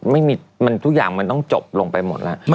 มันต้องจบลงไปหมดแล้ว